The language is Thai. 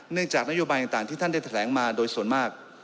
จากนโยบายต่างที่ท่านได้แถลงมาโดยส่วนมาก